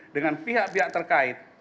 dengan pihak pihak terkait